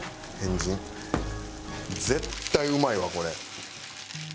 絶対うまいわこれ。